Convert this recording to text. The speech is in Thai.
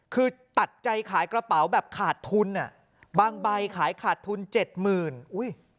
คือตัดใจขายกระเป๋าแบบขาดทุนอ่ะบางใบขายขาดทุนเจ็ดหมื่นอุ้ย